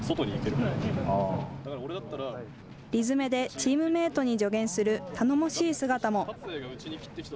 理詰めでチームメートに助言する頼もしい姿も。